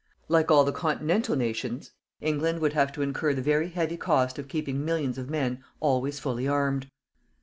Like all the continental nations, England would have to incur the very heavy cost of keeping millions of men always fully armed.